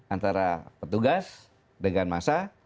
antara petugas dengan masa